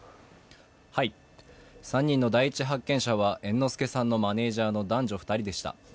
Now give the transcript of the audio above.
３人の第１発見者は猿之助さんのマネージャーの男女２人でした。